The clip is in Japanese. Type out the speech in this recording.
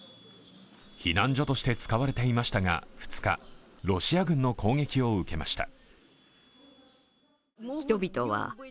避難所として使われていましたが２日、ロシア軍の攻撃を受けました。